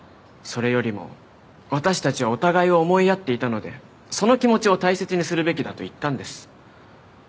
それよりも私たちはお互いを思い合っていたのでその気持ちを大切にするべきだと言ったんです。